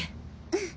うん。